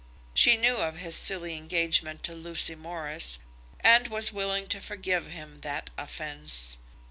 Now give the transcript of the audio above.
She knew of his silly engagement to Lucy Morris, and was willing to forgive him that offence.